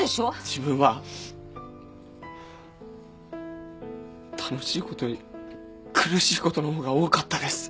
自分は楽しいことより苦しいことの方が多かったです。